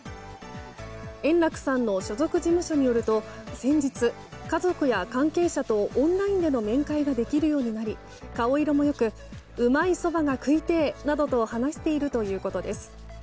円楽さんの所属事務所によると先日、家族や関係者とオンラインでの面会ができるようになり顔色もよくうまいそばが食いてえと話しているということです。